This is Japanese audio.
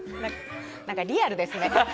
リアルですね。